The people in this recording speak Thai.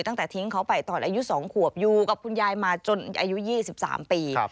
ตั้งแต่ทิ้งเขาไปตอนอายุ๒ขวบอยู่กับคุณยายมาจนอายุ๒๓ปี